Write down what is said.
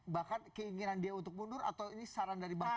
bahkan keinginan dia untuk mundur atau ini saran dari bang fer